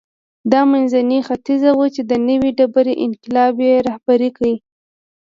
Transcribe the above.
دا منځنی ختیځ و چې د نوې ډبرې انقلاب یې رهبري کړ.